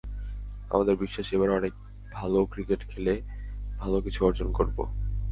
আমাদের বিশ্বাস, এবার অনেক ভালো ক্রিকেট খেলে ভালো কিছু অর্জন করব।